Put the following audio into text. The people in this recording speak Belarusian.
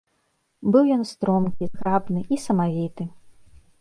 Быў ён стромкі, зграбны і самавіты.